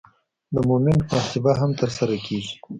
د مومنټ محاسبه هم ترسره کیږي